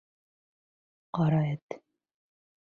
Ҡара Эт!